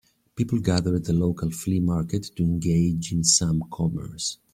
People gather at the local flea market to engage in some commerce.